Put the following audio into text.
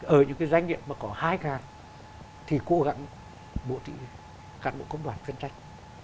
ở những cái doanh nghiệp mà có hai thì cố gắng bổ trị cán bộ công đoàn chuyên trách